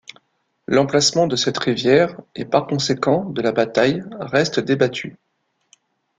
L'emplacement de cette rivière et par conséquent de la bataille, reste débattu.